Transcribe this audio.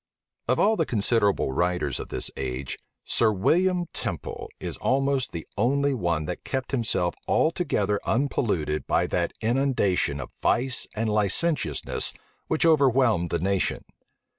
Of all the considerable writers of this age, Sir William Temple is almost the only one that kept himself altogether unpolluted by that inundation of vice and licentiousness which overwhelmed the nation.